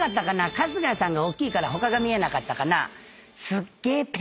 春日さんがおっきいから他が見えなかったかな？